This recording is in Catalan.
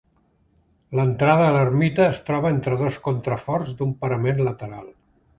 L'entrada a l'ermita es troba entre dos contraforts d'un parament lateral.